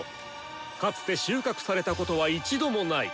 かつて収穫されたことは一度もない！